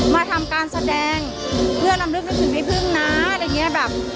มาทำการแสดงเพื่อลำลึกนึกถึงแม่พึ่งนะอะไรอย่างเงี้ยแบบ